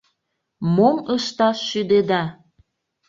Мом ышташ шӱдеда?